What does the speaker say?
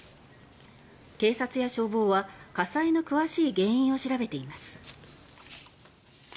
警察や消防は火災の詳しい原因を調べています。